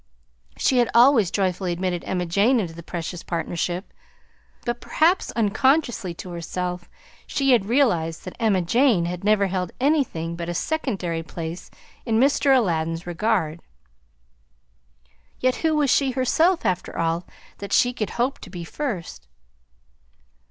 She had always joyfully admitted Emma Jane into the precious partnership, but perhaps unconsciously to herself she had realized that Emma Jane had never held anything but a secondary place in Mr. Aladdin's regard; yet who was she herself, after all, that she could hope to be first?